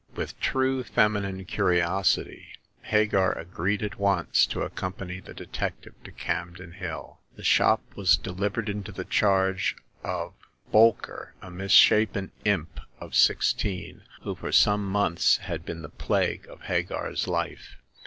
With true feminine curiosity, Hagar agreed at once to accompany the detective to Campden Hill. The shop was delivered into the charge of Bolker, a misshapen imp of sixteen, who for some months had been the plague of Hagar's life.